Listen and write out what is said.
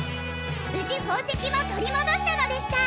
無事宝石も取り戻したのでした」。